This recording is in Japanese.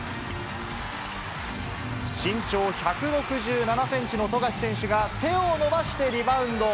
身長１６７センチの富樫選手が手を伸ばしてリバウンド。